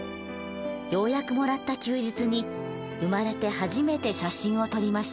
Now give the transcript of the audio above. ようやくもらった休日に生まれて初めて写真を撮りました。